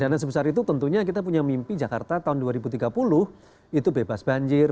dana sebesar itu tentunya kita punya mimpi jakarta tahun dua ribu tiga puluh itu bebas banjir